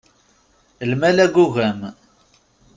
Lmal agugam!